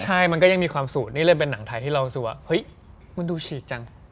ใช่มันก็ยังมีความสูตรนี่เลยเป็นหนังไทยที่เรารู้สึกว่าเฮ้ยมันดูฉีกจัง